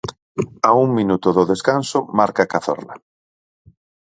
A un minuto do descanso marca Cazorla.